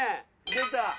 出た。